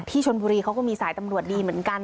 ชนบุรีเขาก็มีสายตำรวจดีเหมือนกัน